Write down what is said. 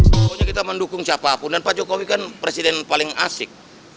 pokoknya kita mendukung siapapun dan pak jokowi kan presiden paling asik